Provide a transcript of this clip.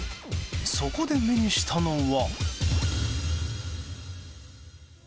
そこで目にしたのは。